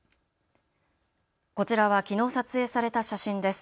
こちらはきのう撮影された写真です。